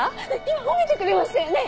今褒めてくれましたよね？